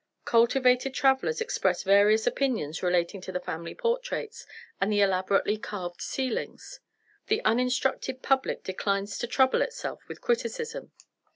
Cultivated travelers express various opinions relating to the family portraits, and the elaborately carved ceilings. The uninstructed public declines to trouble itself with criticism.